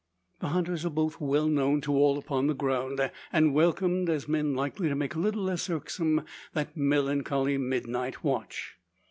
The hunters are both well known to all upon the ground; and welcomed, as men likely to make a little less irksome that melancholy midnight watch.